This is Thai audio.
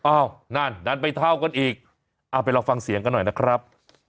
นั่นดันไปเท่ากันอีกเอาไปลองฟังเสียงกันหน่อยนะครับ